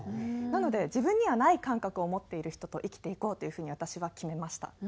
なので自分にはない感覚を持っている人と生きていこうという風に私は決めました。